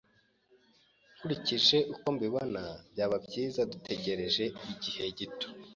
Nkurikije uko mbibona, byaba byiza dutegereje igihe gito.